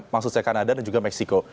maksud saya kanada dan juga meksiko